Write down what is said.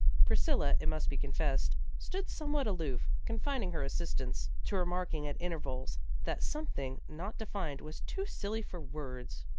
Priscilla, it must be confessed, stood somewhat aloof, confining her assistance to remarking at intervals that something, not defined, was too silly for words.